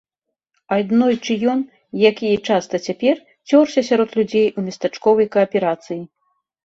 Аднойчы ён, як і часта цяпер, цёрся сярод людзей у местачковай кааперацыі.